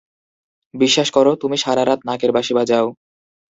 বিশ্বাস করো, তুমি সারা রাত নাকের বাঁশি বাজাও।